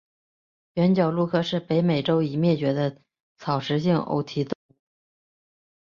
原角鹿科是北美洲已灭绝的草食性偶蹄动物。